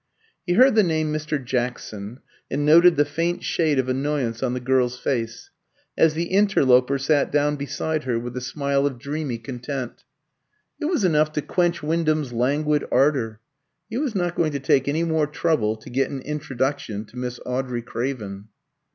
He heard the name Mr. Jackson, and noted the faint shade of annoyance on the girl's face, as the interloper sat down beside her with a smile of dreamy content. It was enough to quench Wyndham's languid ardour. He was not going to take any more trouble to get an introduction to Miss Audrey Craven.